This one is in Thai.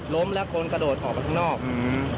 ล้มแล้วคนกระโดดออกไปของนอก